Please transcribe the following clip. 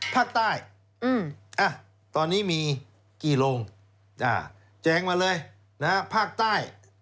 ภาคใต้ตอนนี้มีกี่โรงแจ้งมาเลย